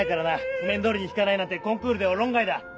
譜面どおりに弾かないなんてコンクールでは論外だ！